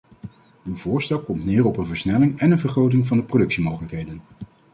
Uw voorstel komt neer op een versnelling en een vergroting van de productiemogelijkheden.